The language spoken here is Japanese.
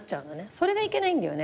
それがいけないんだよね。